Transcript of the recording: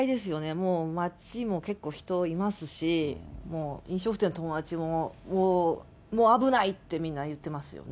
もう街も結構人いますし、もう飲食店の友達も、もう危ないってみんな言ってますよね。